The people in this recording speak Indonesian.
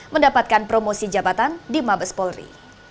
mendapatkan promosi jabatan di mabes polri